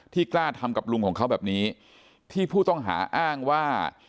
กล้าทำกับลุงของเขาแบบนี้ที่ผู้ต้องหาอ้างว่า